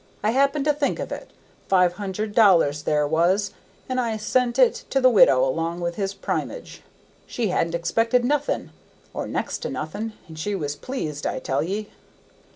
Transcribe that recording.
I happened to think of it. Five thousand dollars there was, and I sent it to the widow along with his primage. She hadn't expected nothing, or next to nothing, and she was pleased, I tell ye."